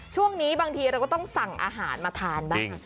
ช่วงนี้บางทีเราก็ต้องสั่งอาหารมาทานบ้าง